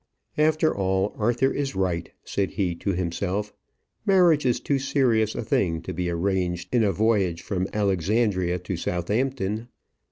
"After all, Arthur is right," said he to himself; "marriage is too serious a thing to be arranged in a voyage from Alexandria to Southampton."